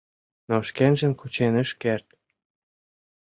Но шкенжым кучен ыш керт.